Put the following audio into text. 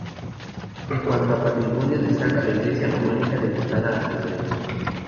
En cuanto a patrimonio, destaca la iglesia románica, dedicada a San Lorenzo.